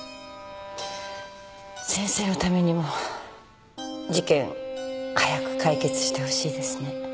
先生のためにも事件早く解決してほしいですね。